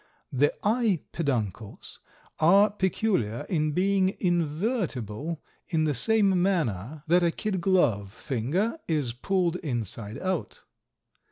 The eye peduncles are peculiar in being invertible in the same manner that a kid glove finger is pulled inside out.